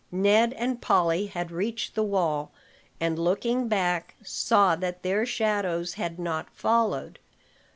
Ned and Polly had reached the wall, and, looking back, saw that their shadows had not followed.